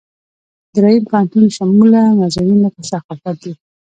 دریم پوهنتون شموله مضامین لکه ثقافت دي.